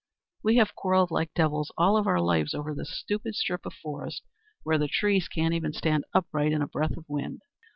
We have quarrelled like devils all our lives over this stupid strip of forest, where the trees can't even stand upright in a breath of wind.